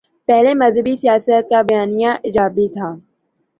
پہلے مذہبی سیاست کا بیانیہ ایجابی تھا۔